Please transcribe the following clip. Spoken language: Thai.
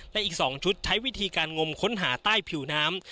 และอีก๒ชุดใช้วิธีการงมค้นหาใต้ผิวน้ำ